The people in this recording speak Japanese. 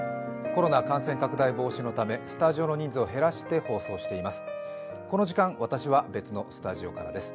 コロナ感染拡大防止のため、スタジオの人数を減らして放送しています。